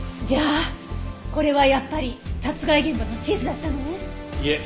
じゃあこれはやっぱり殺害現場の地図だったのね。